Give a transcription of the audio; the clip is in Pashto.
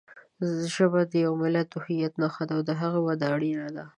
ژبه د یوه ملت د هویت نښه ده او د هغې وده اړینه ده.